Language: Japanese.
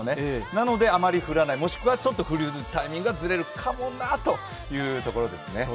だからあまり降らない、もしくはちょっと降るタイミングがずれるかもなというところですね。